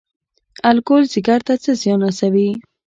الکول ځیګر ته څه زیان رسوي؟